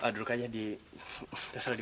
dulu kayaknya di